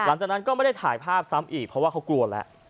หลังจากนั้นก็ไม่ได้ถ่ายภาพซ้ำอีกเพราะว่าเขากลัวแล้ว